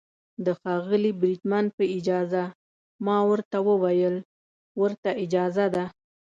د ښاغلي بریدمن په اجازه، ما ورته وویل: ورته اجازه ده.